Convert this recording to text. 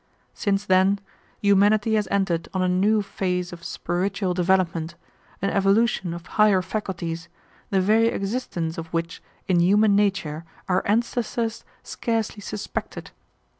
Since then, humanity has entered on a new phase of spiritual development, an evolution of higher faculties, the very existence of which in human nature our ancestors scarcely suspected.